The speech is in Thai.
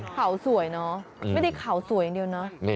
เขาสวยเนอะไม่ได้เขาสวยอย่างเดียวเนอะ